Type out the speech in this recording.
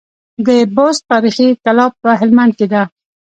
د بست تاريخي کلا په هلمند کي ده